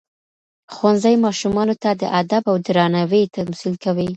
ښوونځی ماشومانو ته د ادب او درناوي تمثیل کوي.